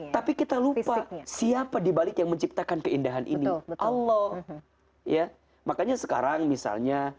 tapi kita lupa siapa dibalik yang menciptakan keindahan ini allah ya makanya sekarang misalnya